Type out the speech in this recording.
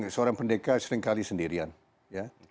seorang pendekar sering kali sendirian ya